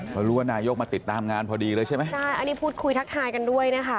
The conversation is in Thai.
เขารู้ว่านายกมาติดตามงานพอดีเลยใช่ไหมใช่อันนี้พูดคุยทักทายกันด้วยนะคะ